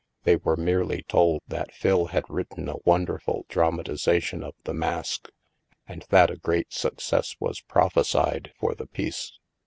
They were merely told that Phil had written a wonderful dramatization of " The Mask," and that a great suc cess was prophesied for the piece.